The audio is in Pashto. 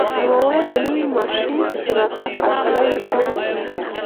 نوموړي د نوې ماشیۍ د راتګ هرکلی نه کاوه.